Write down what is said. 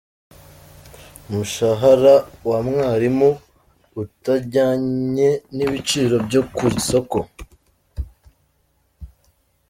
Umushahara wa mwarimu utajyanye n’ibiciro byo ku isoko.